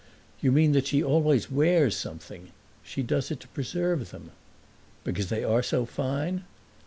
"You mean that she always wears something? She does it to preserve them." "Because they are so fine?"